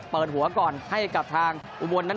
เปิดหัวก่อนให้กับทางอุบลนั้น